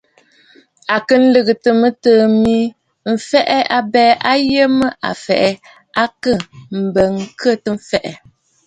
À kɨ lɨ̀gɨtə̀ mɨtɨ̀ɨ̂ mi mbɨɨnə̀ m̀fɛ̀ʼɛ̀ abɛɛ a yə mə a fɛ̀ʼɛ akə bə khə̂kə̀ lɛ.